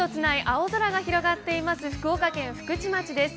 青空が広がっています、福岡県福智町です。